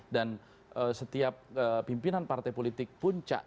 dan setiap pimpinan partai politik puncak